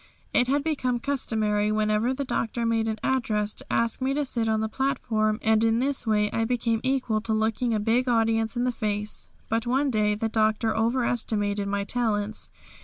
It had become customary whenever the Doctor made an address to ask me to sit on the platform, and in this way I became equal to looking a big audience in the face, but one day the Doctor over estimated my talents.